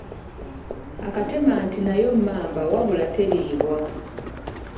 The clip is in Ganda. Akatemanti nayo mmamba wabula teriibwa.